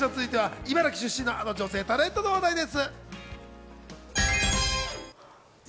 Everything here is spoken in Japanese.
茨城出身のあの女性タレントの話題です。